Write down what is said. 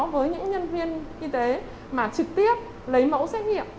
với những nhân viên y tế mà trực tiếp lấy mẫu xét nghiệm